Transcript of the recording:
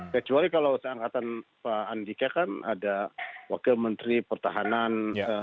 kecuali kalau seangkatan pak andika kan ada wakil menteri pertahanan